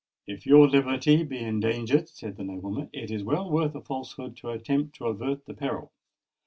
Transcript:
"If your liberty be endangered," said the nobleman, "it is well worth a falsehood to attempt to avert the peril."